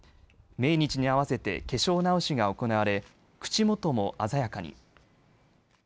命日に合わせて化粧直しが行われ口元も鮮やかに。